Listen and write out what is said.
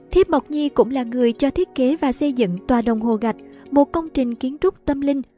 thiếp mộc nhi cũng là người cho thiết kế và xây dựng tòa đồng hồ gạch một công trình kiến trúc tâm linh